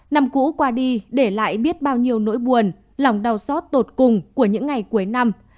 năm cũ qua đi để lại biết bao nhiêu nỗi buồn lòng đau xót tột cùng của những ngày cuối năm